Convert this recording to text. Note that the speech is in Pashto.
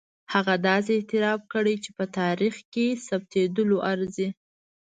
هغه داسې اعتراف کړی چې په تاریخ کې ثبتېدلو ارزي.